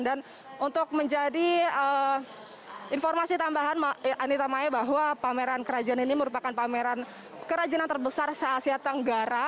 dan untuk menjadi informasi tambahan anita mae bahwa pameran kerajinan ini merupakan pameran kerajinan terbesar se asia tenggara